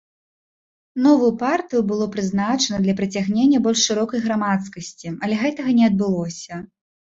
Новую партыю было прызначана для прыцягнення больш шырокай грамадскасці, але гэтага не адбылося.